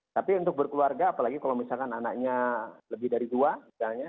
tapi untuk berkeluarga apalagi kalau misalkan anaknya lebih dari dua misalnya